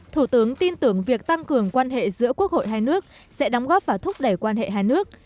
thủ tướng tin tưởng việc tăng cường quan hệ giữa quốc hội hai nước sẽ đóng góp và thúc đẩy quan hệ hai nước